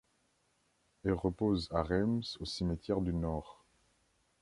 Elle repose à Reims au cimetière du Nord.